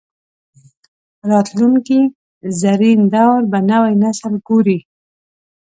راتلونکي زرین دور به نوی نسل ګوري